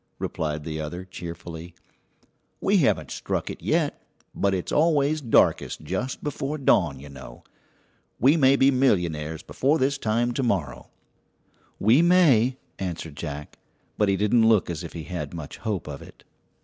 replied the other cheerfully; "we haven't struck it yet, but it's always darkest just before dawn, you know. We may be millionaires before this time to morrow." "We may," answered Jack; but he didn't look as if he had much hope of it.